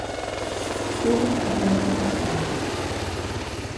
— Тузым кучен шогалта.